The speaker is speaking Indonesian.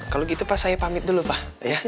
kalau gitu pak saya pamit dulu pak